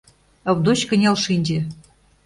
— Овдоч кынел шинче.